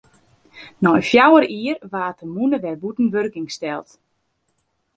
Nei fjouwer jier waard de mûne wer bûten wurking steld.